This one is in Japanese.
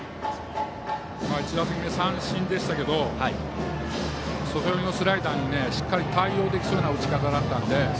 １打席目は三振でしたが外めのスライダーにしっかり対応できそうな打ち方だったので。